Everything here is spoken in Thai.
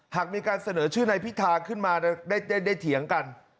หากมีการเสนอชื่อนายพิธาขึ้นมาได้เถียงกัน